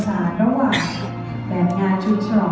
สวัสดีครับทุกคน